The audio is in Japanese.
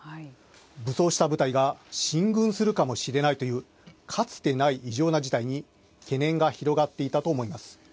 武装した部隊が進軍するかもしれないというかつてない異常な事態に懸念が広がっていたと思います。